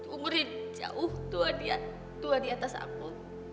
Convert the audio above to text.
umurnya jauh tua di atas aku